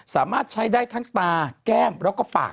สามารถใช้ได้ทั้งตาแก้มแล้วก็ปาก